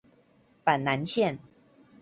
板南線